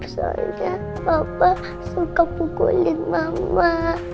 soalnya bapak suka pukulin mama